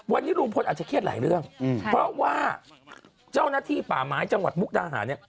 วันนี้ลุงพลอาจจะเครียดหลายเรื่องเพราะว่าเจ้าหน้าที่ป่าไม้จังหวัดมุกดาหารเนี่ย